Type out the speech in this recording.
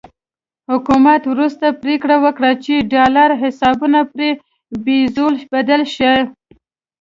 حکومت وروسته پرېکړه وکړه چې ډالري حسابونه پر پیزو بدل شي.